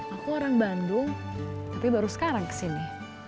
aku orang bandung tapi baru sekarang kesini